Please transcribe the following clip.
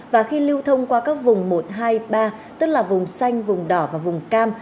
và khi lưu thông qua các vùng một hai ba tức là vùng xanh vùng đỏ và vùng cam